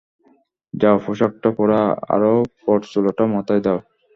যাও, পোশাকটা পরো আর পরচুলাটা মাথায় দাও।